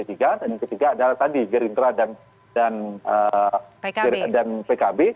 dan yang ketiga adalah tadi gerindra dan pkb